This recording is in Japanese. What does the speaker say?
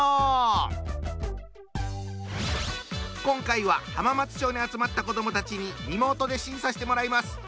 今回は浜松町に集まった子どもたちにリモートで審査してもらいます。